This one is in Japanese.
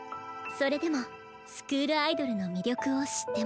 それでもスクールアイドルの魅力を知ってもらいたい。